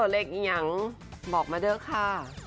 เลขยังบอกมาเด้อค่ะ